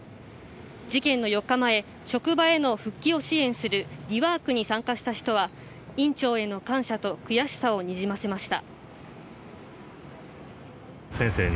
事件の４日前、職場への復帰を支援するリワークに参加した人は院長への感謝と悔しさをにじませました。